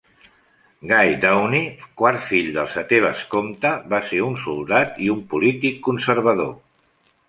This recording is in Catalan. Guy Dawnay, quart fill del setè vescomte, va ser un soldat i un polític conservador.